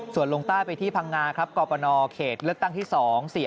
ส่วนลงใต้ไปที่พังงาครับกรปนเขตเลือกตั้งที่๒